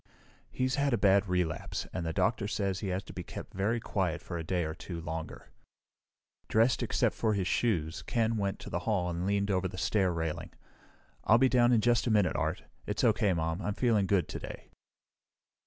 "He's had a bad relapse, and the doctor says he has to be kept very quiet for a day or two longer." Dressed, except for his shoes, Ken went to the hall and leaned over the stair railing. "I'll be down in just a minute, Art. It's okay, Mom. I'm feeling good today."